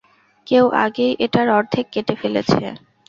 কেউ আগেই এটার অর্ধেক কেটে ফেলেছে।